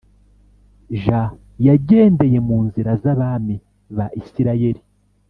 j yagendeye mu nzira z abami ba isirayeli